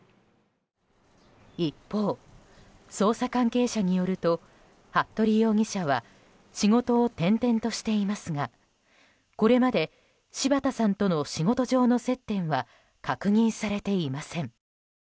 一方、捜査関係者によると服部容疑者は仕事を転々としていますがこれまで柴田さんとの仕事上の接点は確認されていません。